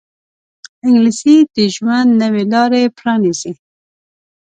انګلیسي د ژوند نوې لارې پرانیزي